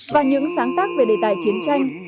và những sáng tác về đề tài chiến tranh